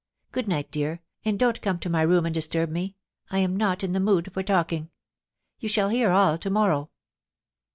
Good night, dear, and don't come to my room and disturb me ; I am not in the mood for talking. You shall hear all to morrow.'